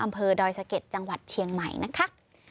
อำเภอดอยสะเก็ดจังหวัดเชียงใหม่นะคะ